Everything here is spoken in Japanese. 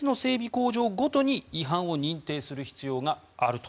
工場ごとに違反を認定する必要があると。